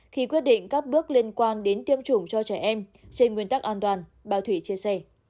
khi quyết định các bước liên quan đến tiêm chủng cho trẻ em trên nguyên tắc an toàn bà thủy chia sẻ